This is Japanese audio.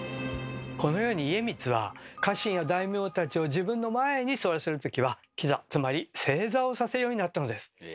このように家光は家臣や大名たちを自分の前に座らせる時は跪座つまり正座をさせるようになったのです。